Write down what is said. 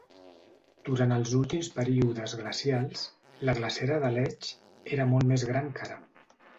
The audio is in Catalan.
Durant els últims períodes glacials, la glacera d'Aletsch era molt més gran que ara.